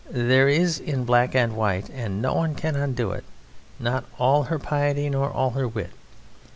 There it is in black and white and no one can undo it: not all her piety, nor all her wit.